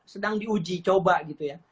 sedang diuji coba gitu ya